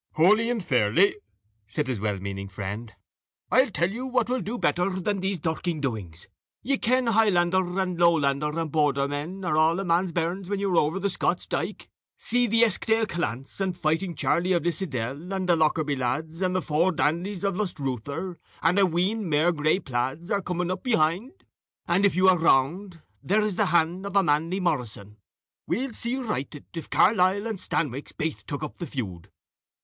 "Hooly and fairly," said his well meaning friend. "I'll tell you what will do better than these dirking doings. Ye ken Highlander, and Lowlander, and Bordermen are a' ae man's bairns when you are over the Scots dyke. See, the Eskdale callants, and fighting Charlie of Liddesdale, and the Lockerby lads, and the four Dandies of Lustruther, and a ween mair grey plaids are coming up behind; and if you are wranged, there is the hand of a Manly Morrison, we'll see you righted, if Carlisle and Stanwix baith took up the feud."